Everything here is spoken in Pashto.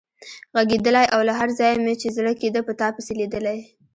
غږېدلای او له هر ځایه مې چې زړه کېده په تا پسې لیدلی.